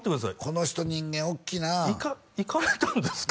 この人人間大きいな行かれたんですか？